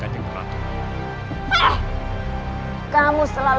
saya berdua suami kalian